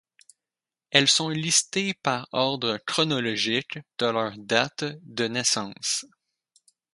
Elles sont listées par ordre chronologique de leurs dates de naissance.